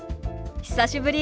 久しぶり。